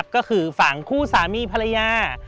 ก็คือฝั่งคู่สามีภรรยา